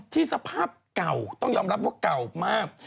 สภาพเก่าต้องยอมรับว่าเก่ามาก